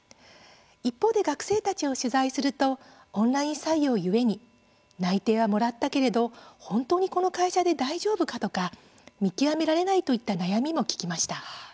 一方で、学生たちを取材するとオンライン採用ゆえに内定はもらったけれど本当に、この会社で大丈夫かとか見極められないといった悩みも聞きました。